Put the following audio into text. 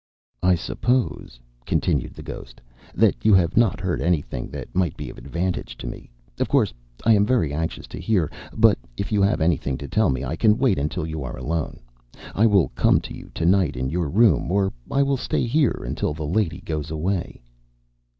"I suppose," continued the ghost, "that you have not heard anything that might be of advantage to me. Of course, I am very anxious to hear; but if you have anything to tell me, I can wait until you are alone. I will come to you to night in your room, or I will stay here until the lady goes away."